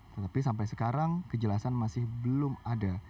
tetapi sampai sekarang kejelasan masih belum ada